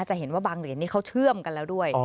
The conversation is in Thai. จะเห็นว่าบางเหรียญนี่เขาเชื่อมกันแล้วด้วย